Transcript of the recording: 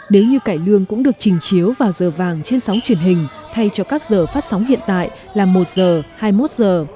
nếu như cải lương cũng được trình chiếu vào giờ vàng trên sóng truyền hình thay cho các giờ phát sóng hiện tại là một giờ hai mươi một giờ